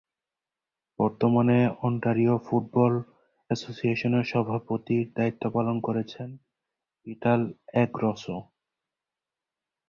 বর্তমানে Ontario football অ্যাসোসিয়েশনের সভাপতির দায়িত্ব পালন করছেন পিটার অ্যাগ্রুসো।